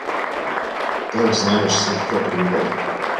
Так, знаешь, слегка приударь.